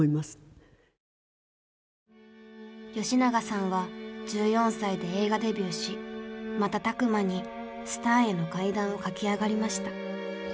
吉永さんは１４歳で映画デビューし瞬く間にスターへの階段を駆け上がりました。